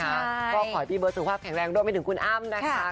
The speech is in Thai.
ก็ขอให้พี่เบิร์ดสุขภาพแข็งแรงรวมไปถึงคุณอ้ำนะคะ